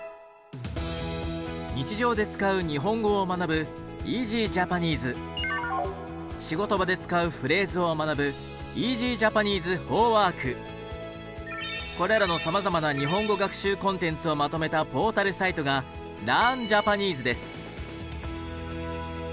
日常で使う日本語を学ぶ仕事場で使うフレーズを学ぶこれらのさまざまな日本語学習コンテンツをまとめたポータルサイトが「ＬｅａｒｎＪａｐａｎｅｓｅ」です。